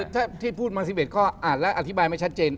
คือถ้าพูดบางสิบเอ็ดก็อ่านแล้วอธิบายไม่ชัดเจน